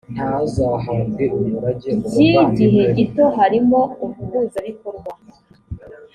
by igihe gito harimo umuhuzabikorwa